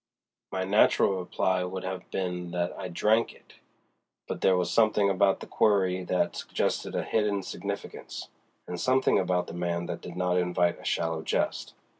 My natural reply would have been that I drank it, but there was something about the query that suggested a hidden significance, and something about the man that did not invite a shallow jest.